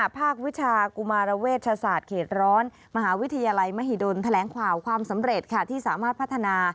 เป็นความสำเร็จค่ะที่สามารถพัฒนา